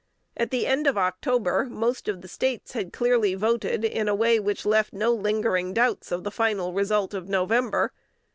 At the end of October, most of the States had clearly voted in a way which left no lingering doubts of the final result of November.